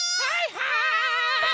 はい！